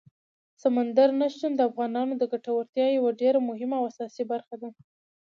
سمندر نه شتون د افغانانو د ګټورتیا یوه ډېره مهمه او اساسي برخه ده.